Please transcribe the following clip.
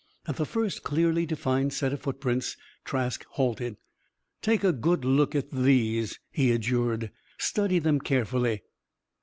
At the first clearly defined set of footprints, Trask halted. "Take a good look at those," he adjured. "Study them carefully.